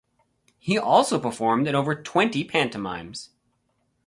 He also performed in over twenty pantomimes.